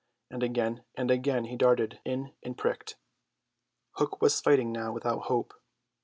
And again and again he darted in and pricked. Hook was fighting now without hope.